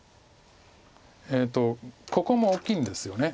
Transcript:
ここも大きいんですよね